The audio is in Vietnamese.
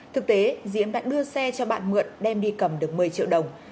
thực tế diễm đã đưa xe cho bạn mượn đem đi cầm được một mươi triệu đồng